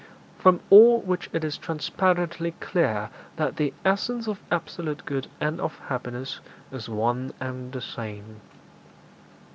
From all which it is transparently clear that the essence of absolute good and of happiness is one and the same.'